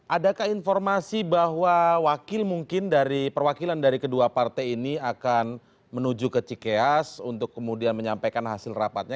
adakah informasi bahwa wakil mungkin dari perwakilan dari kedua partai ini akan menuju ke cikeas untuk kemudian menyampaikan hasil rapatnya